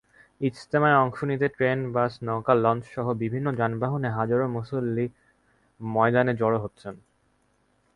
ইজতেমায় অংশ নিতে ট্রেন, বাস, নৌকা-লঞ্চসহ বিভিন্ন যানবাহনে হাজারো মুসল্লি ময়দানে জড়ো হচ্ছেন।